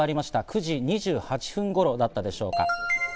９時２８分頃だったでしょうか。